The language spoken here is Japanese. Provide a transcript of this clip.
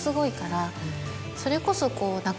それこそこう。